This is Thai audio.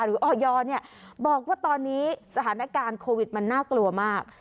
ออยบอกว่าตอนนี้สถานการณ์โควิดมันน่ากลัวมาก